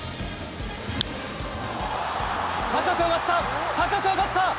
高く上がった、高く上がった！